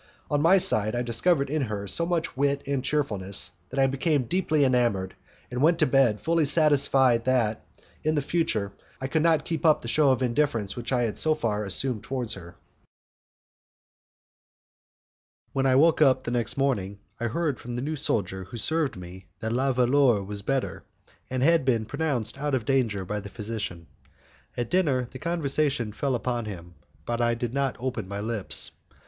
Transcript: On my side, I discovered in her so much wit and cheerfulness, that I became deeply enamoured, and went to bed fully satisfied that, in the future, I could not keep up the show of indifference which I had so far assumed towards her. When I woke up the next morning, I heard from the new soldier who served me that La Valeur was better, and had been pronounced out of danger by the physician. At dinner the conversation fell upon him, but I did not open my lips.